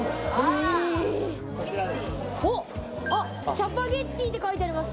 チャパゲティって書いてあります。